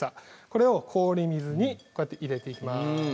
これを氷水にこうやって入れていきます